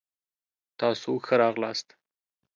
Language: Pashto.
تاسو ښه راغلاست.